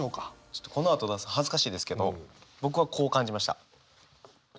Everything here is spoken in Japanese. ちょっとこのあと出すの恥ずかしいですけど僕はこう感じました。